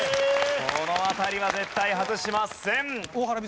この辺りは絶対外しません。